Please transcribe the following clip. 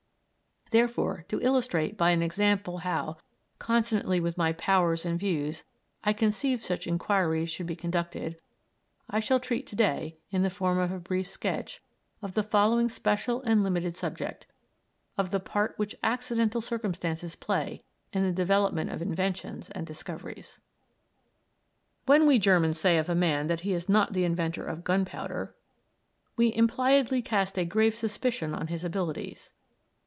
Therefore, to illustrate by an example how, consonantly with my powers and views, I conceive such inquiries should be conducted, I shall treat to day, in the form of a brief sketch, of the following special and limited subject of the part which accidental circumstances play in the development of inventions and discoveries. When we Germans say of a man that he was not the inventor of gunpowder, we impliedly cast a grave suspicion on his abilities.